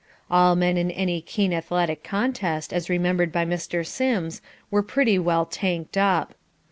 All men in any keen athletic contest, as remembered by Mr. Sims, were pretty well "tanked up."